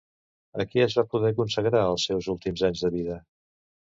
A què es va poder consagrar els seus últims anys de vida?